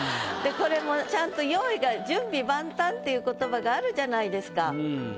これもちゃんと用意が「準備万端」っていう言葉があるじゃないですか。